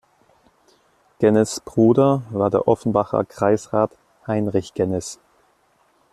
Gennes Bruder war der Offenbacher Kreisrat Heinrich Gennes.